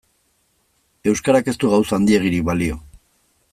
Euskarak ez du gauza handiegirik balio.